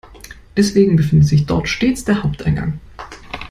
Deswegen befindet sich dort stets der Haupteingang.